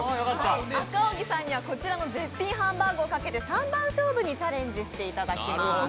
赤荻さんには、こちらの絶品ハンバーグを賭けて３番勝負に挑戦していただきます。